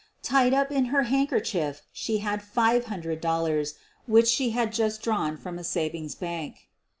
Tied up in her handkerchief she had $500 which she had just drawn from a savings bank.